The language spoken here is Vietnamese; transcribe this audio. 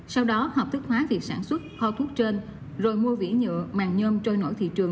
sau đó hợp thức hóa việc sản xuất kho thuốc trên rồi mua vĩ nhựa màng nhôm trôi nổi thị trường